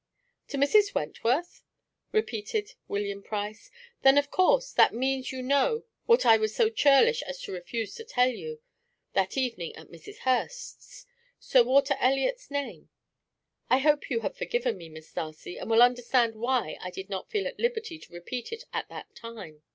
"To Mrs. Wentworth?" repeated William Price. "Then, of course, that means you know what I was so churlish as to refuse to tell you, that evening at Mrs. Hurst's Sir Walter Elliot's name. I hope you have forgiven me, Miss Darcy, and will understand why I did not feel at liberty to repeat it at that time."